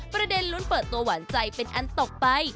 ประเด็นลุ้นเปิดตัวหวานใจเป็นอันตกไป